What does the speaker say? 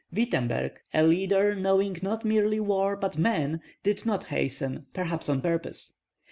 Wittemberg, a leader knowing not merely war but men, did not hasten, perhaps on purpose.